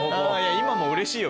今もうれしいよ。